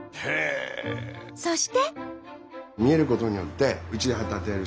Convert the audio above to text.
そして。